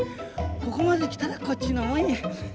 ここまで来たらこっちのもんや。